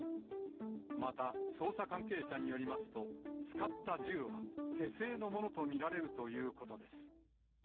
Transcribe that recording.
また、捜査関係者によりますと、使った銃は、手製のものと見られるということです。